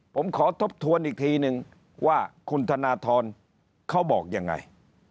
ผมขอทบทวนอีกทีนึงว่าคุณธนทรเขาบอกยังไง